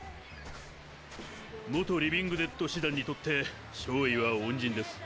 元リビング・デッド師団にとって少尉は恩人です。